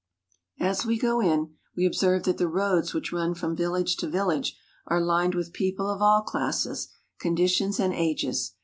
As we go on, we observe that the roads which run from village to village are lined with people of all classes, con ditions, and ages.